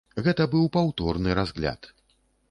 Гэта быў паўторны разгляд.